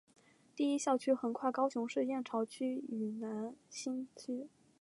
第一校区横跨高雄市燕巢区与楠梓区。